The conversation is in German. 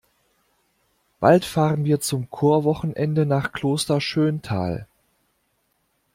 Bald fahren wir zum Chorwochenende nach Kloster Schöntal.